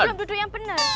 belum duduk yang bener